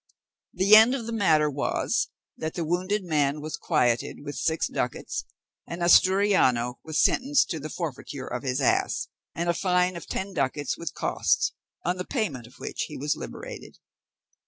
The end of the matter was, that the wounded man was quieted with six ducats, and Asturiano was sentenced to the forfeiture of his ass, and a fine of ten ducats with costs, on the payment of which he was liberated.